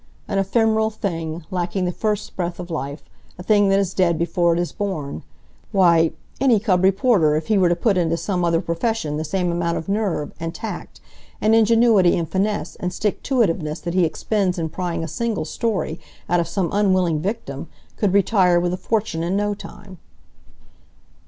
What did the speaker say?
An ephemeral thing, lacking the first breath of life; a thing that is dead before it is born. Why, any cub reporter, if he were to put into some other profession the same amount of nerve, and tact, and ingenuity and finesse, and stick to it iveness that he expends in prying a single story out of some unwilling victim, could retire with a fortune in no time."